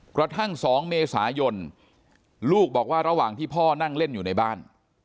กระทั่ง๒เมษายนลูกบอกว่าระหว่างที่พ่อนั่งเล่นอยู่ในบ้าน